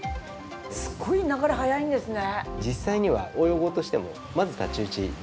すっごい流れ速いんですね。